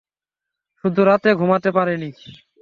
শুধু রাতে ঘুমাতে পারিনি।